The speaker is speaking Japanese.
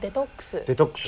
デトックス。